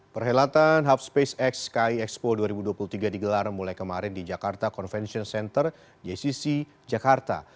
perhelatan hub spacex ki expo dua ribu dua puluh tiga digelar mulai kemarin di jakarta convention center jcc jakarta